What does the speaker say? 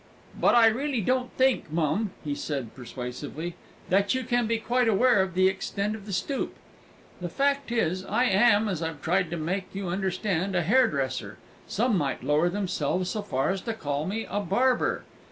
"But I reelly don't think, mum," he said persuasively, "that you can be quite aware of the extent of the stoop. The fact is, I am, as I've tried to make you understand, a hairdresser; some might lower themselves so far as to call me a barber.